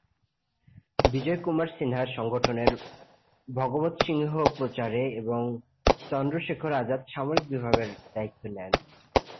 বিজয় কুমার সিনহা সংগঠনের, ভগৎ সিংহ প্রচারে এবং চন্দ্রশেখর আজাদ সামরিক বিভাগের দায়িত্ব নেন।